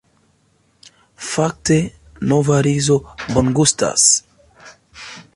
Fakte nova rizo bongustas.